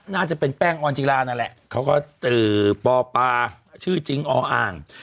น่าจะเป็นแป้งออนจิลานั่นแหละเขาก็ปอปาชื่อจริงออ่าง